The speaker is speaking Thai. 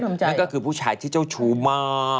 นั่นก็คือผู้ชายที่เจ้าชู้มาก